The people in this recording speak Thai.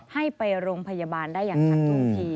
ให้ไปโรงพยาบาลได้อย่างทันท่วงที